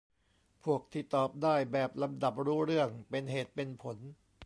พวกที่ตอบได้แบบลำดับรู้เรื่อง เป็นเหตุเป็นผล